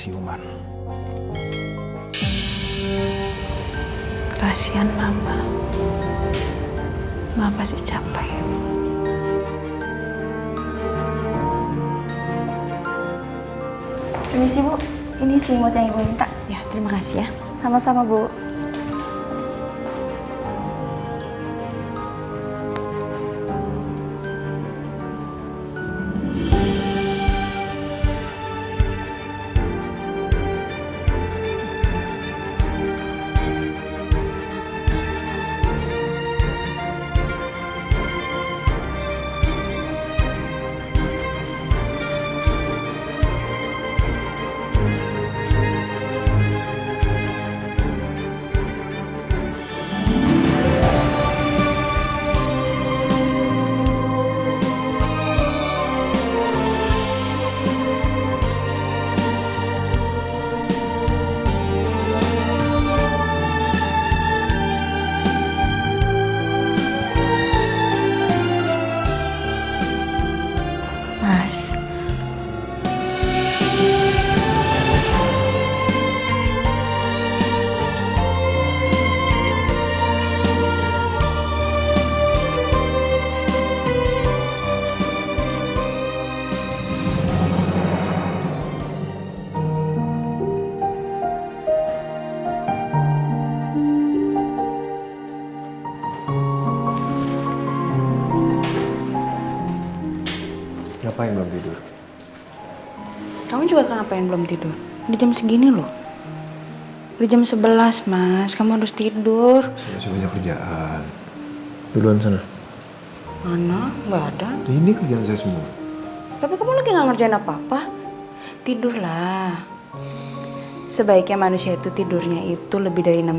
yang ngurusin muka kamu lah